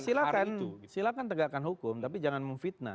lo silahkan silahkan tegakkan hukum tapi jangan memfitnah